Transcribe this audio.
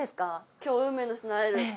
今日運命の人に会えるって。